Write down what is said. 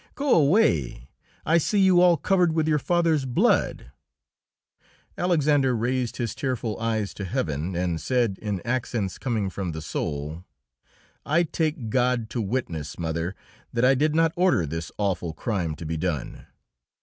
Go away! I see you all covered with your father's blood!" Alexander raised his tearful eyes to Heaven and said, in accents coming from the soul, "I take God to witness, mother, that I did not order this awful crime to be done!"